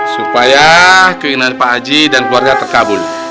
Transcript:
supaya keinginan pak haji dan keluarga terkabul